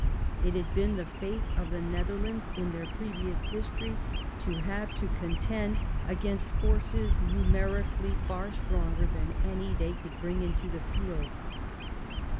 It had been the fate of the Nether lands in their previous history to have to contend against forces numerically far stronger than any they could bring into the field.